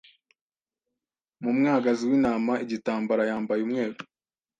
Mu mwagazi wintama igitambara yambaye umweru